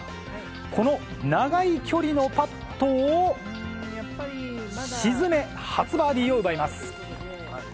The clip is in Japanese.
この長い距離のパットを沈め、初バーディーを奪います。